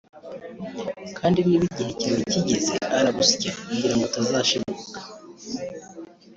kandi niba igihe cyawe kigeze aragusya kugirango utazashibuka